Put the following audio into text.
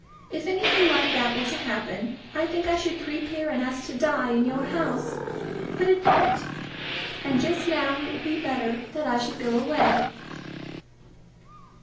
If anything like that were to happen, I think I should creep here and ask to die in your house. But it won't. And just now it will be better that I should go away."